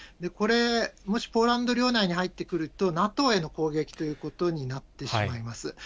これ、もしポーランド領内に入ってくると、ＮＡＴＯへの攻撃ということになってしまいます。